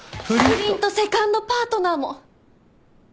不倫とセカンドパートナーも！